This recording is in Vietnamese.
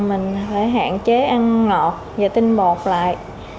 mình phải hạn chế ăn ngọt và tinh bột lại